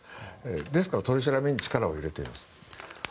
ですから取り調べに力を入れています。